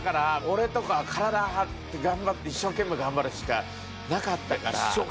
俺とかは体張って頑張って一生懸命頑張るしかなかったから。